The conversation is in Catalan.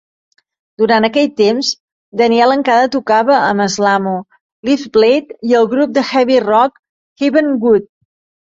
Durant aquell temps, Daniel encara tocava amb Slamo, Leafblade i el grup de heavy rock Heavenwood.